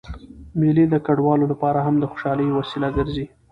مېلې د کډوالو له پاره هم د خوشحالۍ یوه وسیله ګرځي.